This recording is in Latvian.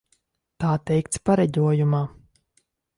Tā teikts pareģojumā.